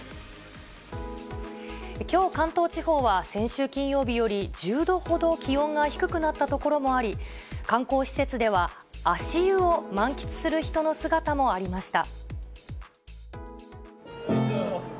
きょう関東地方は、先週金曜日より１０度ほど気温が低くなった所もあり、観光施設では足湯を満喫する人の姿もありました。